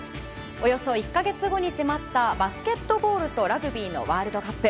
およそ１か月後に迫ったバスケットボールとラグビーのワールドカップ。